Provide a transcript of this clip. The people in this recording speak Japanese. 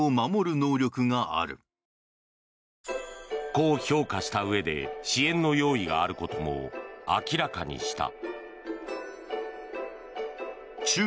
こう評価したうえで支援の用意があることも明らかにした。